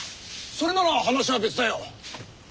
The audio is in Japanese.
それなら話は別だよ。